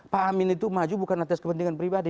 pak amin itu maju bukan atas kepentingan pribadi